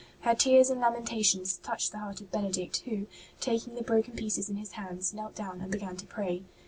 Her tears and lamentations touched the heart of Benedict, who, taking the broken pieces in his hands, knelt down and began to pray.